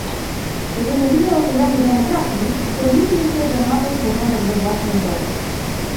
Kiedy mówimy o szerzeniu demokracji, upewnijmy się, że mamy porządek we własnym domu